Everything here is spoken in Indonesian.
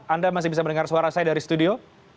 anda masih bisa mendengar suara saya dari studio